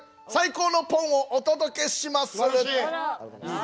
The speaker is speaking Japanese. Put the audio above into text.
最高のポン！をお届けします。